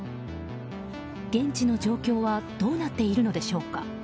現地の状況はどうなっているのでしょうか。